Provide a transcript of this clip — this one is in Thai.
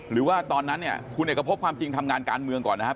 หรือว่าตอนนั้นเนี่ยคุณเอกพบความจริงทำงานการเมืองก่อนนะครับ